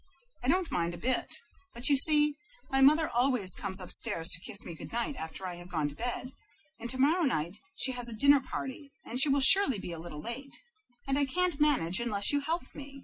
"I don't mind a bit. But, you see, my mother always comes up stairs to kiss me good night after I have gone to bed, and tomorrow night she has a dinner party, and she will surely be a little late, and I can't manage unless you help me.